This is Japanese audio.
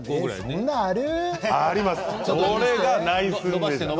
そんなのある。